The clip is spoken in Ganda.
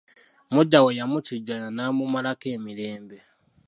Muggya we yamukijjanya n'amumalako emirembe.